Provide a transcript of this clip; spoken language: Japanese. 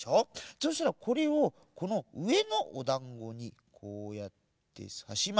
そうしたらこれをこのうえのおだんごにこうやってさします。